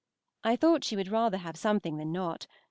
I thought she would rather have something than not.